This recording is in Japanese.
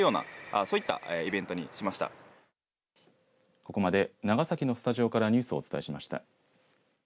ここまで長崎のスタジオからニュースをお伝えしました。